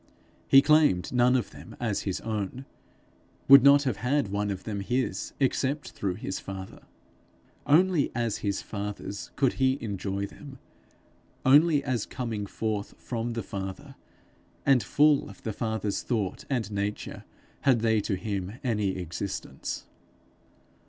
He claimed none of them as his own, would not have had one of them his except through his father. Only as his father's could he enjoy them; only as coming forth from the Father, and full of the Father's thought and nature, had they to him any existence.